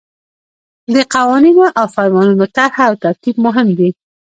د قوانینو او فرمانونو طرح او ترتیب مهم دي.